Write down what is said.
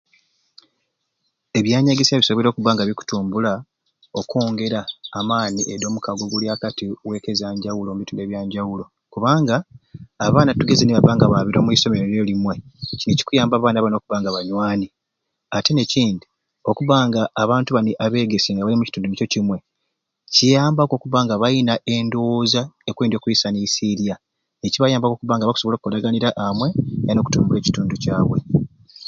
Ebyanyegesya bisoboire okubanga bikutumbula okwongera amaani omukago oguli akati owekka eza njawulo kubanga tugeze abaana babiire omuisomero niryo limwei kikuyamba abaana bani okubanga banywani ate nekindi okuba nga abantu bani abegesye nga bamukitundu nikyo kimwei kiyambaku okubanga balina endowooza ekwendya okwisanisirya nicibayamba okubanga bakusobola okolaganira amwei era nokutumbula ekitundu kyabwe.